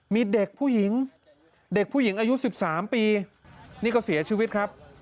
มีเด็กผู้หญิงเด็กผู้หญิงอายุ๑๓ปีนี่ก็เสียชีวิตครับ